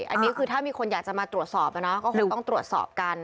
อันนี้คือถ้ามีคนอยากจะมาตรวจสอบก็คงต้องตรวจสอบกัน